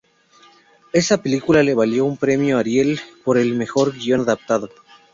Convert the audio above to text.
Esta película le valió un premio Ariel por el mejor guion adaptado.